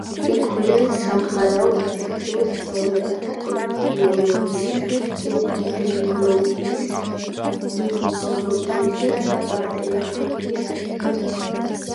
იკვლევს სამხარეო ინფექციურ სნეულებათა ეტიოლოგიის, ეპიდემიოლოგიის, იმუნოლოგიისა და ბაქტერიოფაგიის საკითხებს.